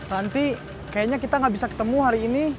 nanti kayaknya kita gak bisa ketemu hari ini